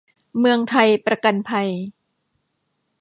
เมืองไทยประกันภัย